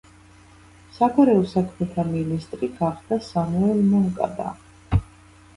საგარეო საქმეთა მინისტრი გახდა სამუელ მონკადა.